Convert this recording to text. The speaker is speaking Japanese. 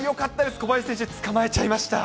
小林選手、捕まえちゃいました。